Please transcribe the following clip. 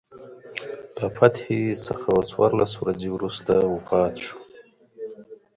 له فتحې څخه څوارلس ورځې وروسته وفات شو.